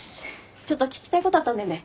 ちょっと聞きたいことあったんだよね。